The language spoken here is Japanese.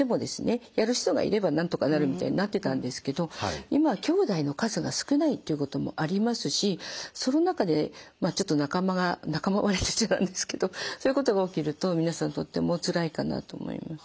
やる人がいればなんとかなるみたいになってたんですけど今はきょうだいの数が少ないっていうこともありますしその中で仲間割れと言っちゃなんですけどそういうことが起きると皆さんとってもおつらいかなと思います。